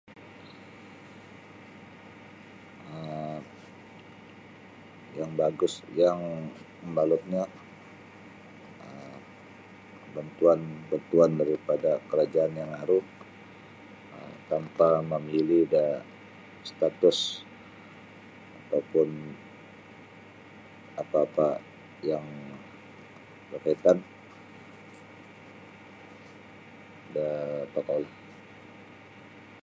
um Yang bagusnyo yang mabalutnyo um bantuan daripada karajaan yang aru um tanpa mamilih da status ataupun apa-apa yang bakaitan da tokoulah.